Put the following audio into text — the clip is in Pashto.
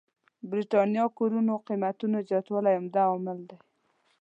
برېتانيا کورونو قېمتونو زياتوالی عمده عامل دی.